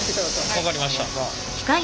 分かりました。